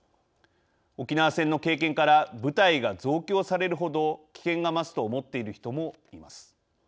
沖縄戦の経験から部隊が増強されるほど危険が増すと思っている人もいます。